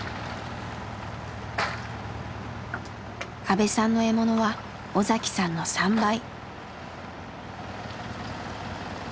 阿部さんの獲物は尾さんの３倍。